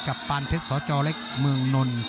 กับปานเพชรซอจลหลักเมืองนล